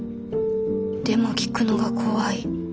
でも聞くのが怖い。